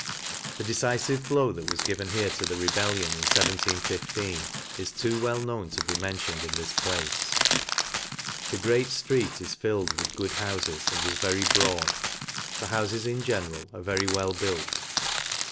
The decifive blow that was given here to the re bellion in 1 7 15, is too well known to be mentioned in this place. The great flreet is filled with good houfes, and \s very broad. The houfes in general are very well built.